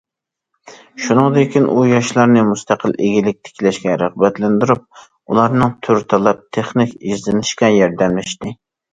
شۇنىڭدىن كېيىن ئۇ ياشلارنى مۇستەقىل ئىگىلىك تىكلەشكە رىغبەتلەندۈرۈپ، ئۇلارنىڭ تۈر تاللاپ، تېخنىك ئىزدىشىگە ياردەملەشتى.